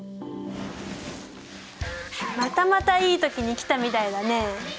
またまたいい時に来たみたいだね。